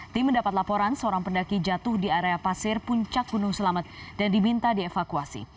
tim mendapat laporan seorang pendaki jatuh di area pasir puncak gunung selamet dan diminta dievakuasi